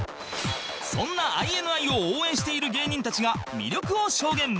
そんな ＩＮＩ を応援している芸人たちが魅力を証言